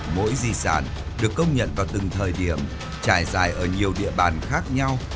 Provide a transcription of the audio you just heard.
mỗi di sản được công nhận vào từng thời điểm trải dài ở nhiều địa bàn khác nhau